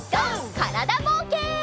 からだぼうけん。